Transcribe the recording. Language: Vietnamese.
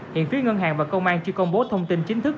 hiện phía ngân hàng và công an chưa công bố thông tin chính thức